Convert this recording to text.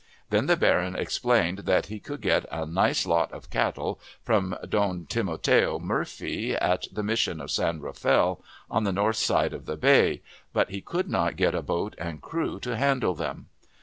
Then the baron explained that he could get a nice lot of cattle from Don Timoteo Murphy, at the Mission of San Rafael, on the north aide of the bay, but he could not get a boat and crew to handle them.